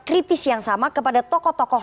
kritis yang sama kepada tokoh tokoh